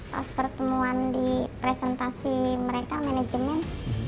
pas pertemuan di presentasi mereka manajemen